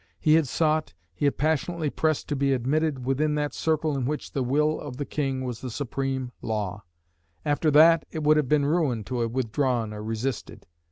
He had sought, he had passionately pressed to be admitted within that circle in which the will of the King was the supreme law; after that, it would have been ruin to have withdrawn or resisted.